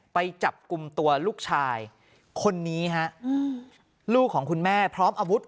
ไปจับกลุ่มตัวลูกชายคนนี้ฮะลูกของคุณแม่พร้อมอาวุธ